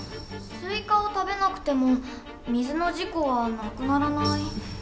スイカを食べなくても水の事故はなくならない。